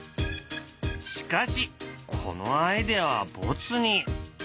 しかしこのアイデアはボツに。